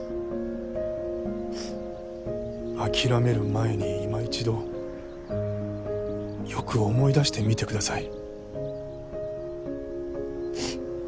あきらめる前に今いちどよく思い出してみてください。